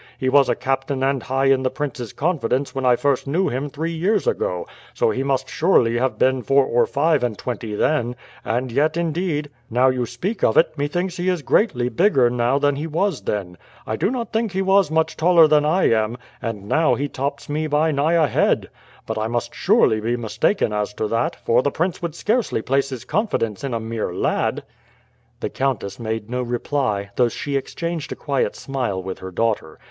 He was a captain and high in the prince's confidence when I first knew him three years ago, so he must surely have been four or five and twenty then; and yet, indeed, now you speak of it, methinks he is greatly bigger now than he was then. I do not think he was much taller than I am, and now he tops me by nigh a head. But I must surely be mistaken as to that, for the prince would scarcely place his confidence in a mere lad." The countess made no reply, though she exchanged a quiet smile with her daughter.